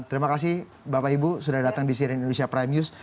terima kasih bapak ibu sudah datang di cnn indonesia prime news